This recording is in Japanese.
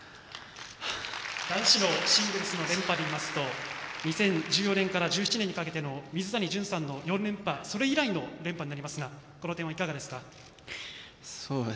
男子のシングルスの連覇でいいますと２０１４年から１７年にかけての水谷隼さんの４連覇それ以来の連覇になりますがこの点はいかがですか？